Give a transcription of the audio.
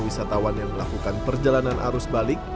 wisatawan yang melakukan perjalanan arus balik